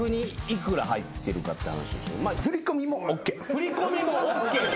振り込みもＯＫ？ＯＫよ。